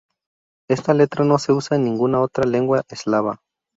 Esta letra no se usa en ninguna otra lengua eslava.